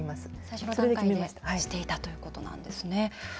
最初の段階でしていたということなんですね。